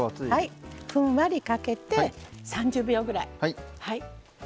ふんわりかけて、３０秒ぐらい。